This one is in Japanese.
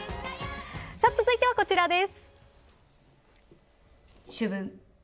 続いては、こちらです。